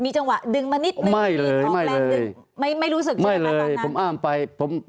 ตั้งแต่เริ่มมีเรื่องแล้ว